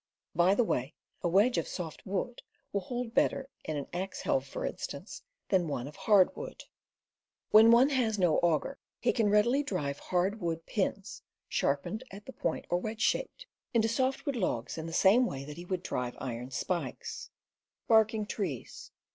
By the way, a wedge of soft wood will hold better, in an axe helve, for instance, than one of hard wood. AXEMANSHIP 267 When one has no auger, he can readily drive hard wood pins (sharpened at the point, or wedge shaped) into softwood logs, in the same way that he would drive iron spikes.